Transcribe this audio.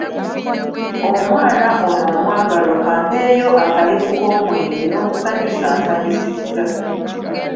Omwana ono omwagalwa ka ampeeyo akaleku k'omwenge n'okunsanyusa ansanyusizza.